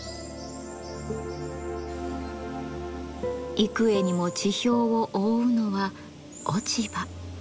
幾重にも地表を覆うのは落ち葉。